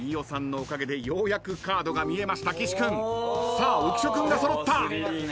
さあ浮所君が揃った！